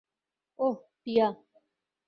ওহ, টিয়া!